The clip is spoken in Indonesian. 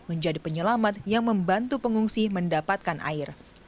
menjadi penyelamat yang membantu pengungsi mendapatkan air